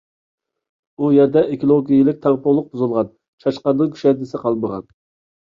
ئۇ يەردە ئېكولوگىيىلىك تەڭپۇڭلۇق بۇزۇلغان، چاشقاننىڭ كۈشەندىسى قالمىغان.